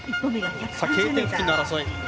Ｋ点付近の争い。